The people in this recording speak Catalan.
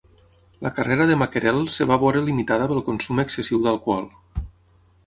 La carrera de Mackerell es va veure limitada pel consum excessiu d'alcohol.